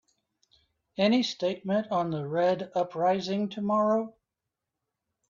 Any statement on the Red uprising tomorrow?